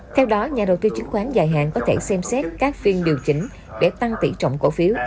theo đó nhà đầu tư chứng khoán dài hạn có thể xem xét các phiên điều chỉnh để tăng tỷ trọng cổ phiếu